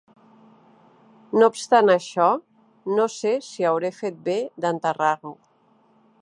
No obstant això, no sé si hauré fet bé d'enterrar-ho.